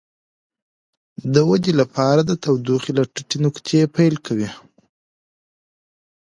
د ودې لپاره د تودوخې له ټیټې نقطې پیل کوي.